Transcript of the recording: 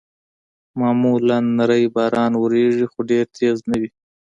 معمولاً نری باران اورېږي، خو ډېر تېز نه وي.